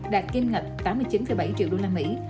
đạt kiêm ngạch tám mươi chín bảy triệu usd